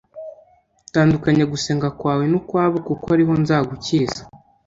tandukanya gusenga kwawe nukwabo kuko ariho nzagukiriza